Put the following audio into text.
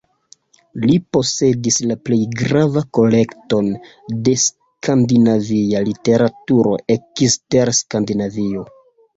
Li posedis la plej grava kolekton de skandinavia literaturo ekster Skandinavio.